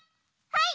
はい！